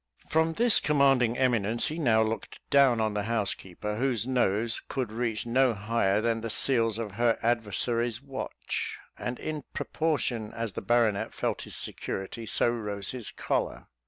From this commanding eminence he now looked down on the housekeeper, whose nose could reach no higher than the seals of her adversary's watch; and in proportion as the baronet felt his security, so rose his choler.